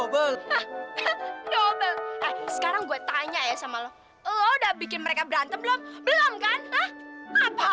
hah heh dobel sekarang gue tanya ya sama lu lu udah bikin mereka berantem belum belum kan hah